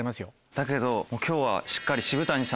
だけどもう今日は。